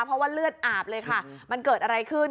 เพราะว่าเลือดอาบเลยค่ะมันเกิดอะไรขึ้น